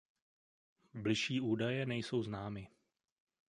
Bližší údaje nejsou známy.